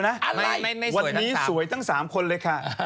วันนี้สวยตั้ง๓คนเลยค่ะ